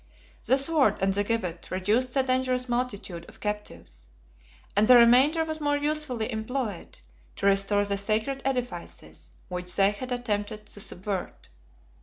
The sword and the gibbet reduced the dangerous multitude of captives; and the remainder was more usefully employed, to restore the sacred edifices which they had attempted to subvert.